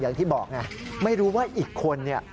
อย่างที่บอกไงไม่รู้ว่าอีกคนเนี่ย